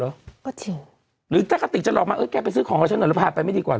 ก็จริงหรือถ้ากระติกจะหลอกมาเออแกไปซื้อของกับฉันหน่อยแล้วพาไปไม่ดีกว่า